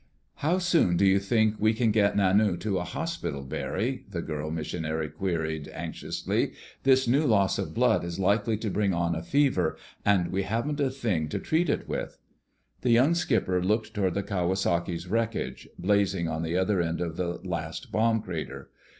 "How soon do you think we can get Nanu to a hospital, Barry?" the girl missionary queried anxiously. "This new loss of blood is likely to bring on a fever, and we haven't a thing to treat it with." The young skipper looked toward the Kawasaki's wreckage, blazing on the other side of the last bomb crater.